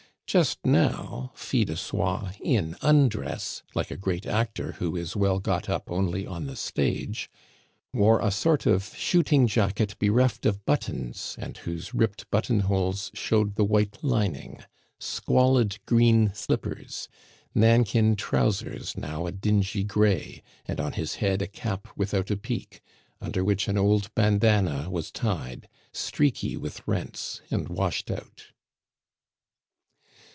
Just now Fil de Soie, in undress, like a great actor who is well got up only on the stage, wore a sort of shooting jacket bereft of buttons, and whose ripped button holes showed the white lining, squalid green slippers, nankin trousers now a dingy gray, and on his head a cap without a peak, under which an old bandana was tied, streaky with rents, and washed out.